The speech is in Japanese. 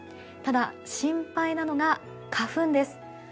ただ、心配なのが花粉です。